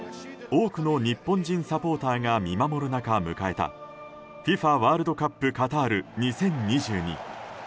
多くの日本人サポーターが見守る中、迎えたＦＩＦＡワールドカップカタール２０２２。